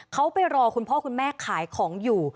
เขาไปรอคุณพ่อคุณแม่ขายของอยู่